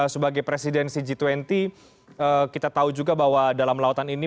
sebagai presidensi g dua puluh kita tahu juga bahwa dalam lautan ini